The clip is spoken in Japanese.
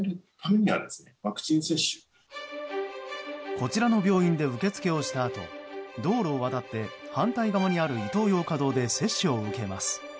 こちらの病院で受け付けをしたあと道路を渡って反対側にあるイトーヨーカドーで接種を受けます。